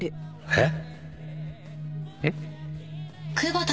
えっ？